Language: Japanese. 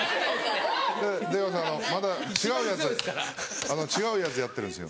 出川さんまた違うやつ違うやつやってるんですよ。